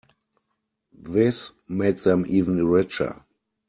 This made them even richer.